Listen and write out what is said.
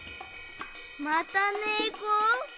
またねこ？